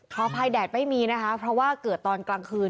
ขออภัยแดดไม่มีนะคะเพราะว่าเกิดตอนกลางคืน